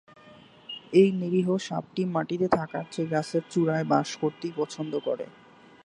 এই নিরীহ সাপটি মাটিতে থাকার চেয়ে গাছের চূড়ায় বাস করতেই পছন্দ করে।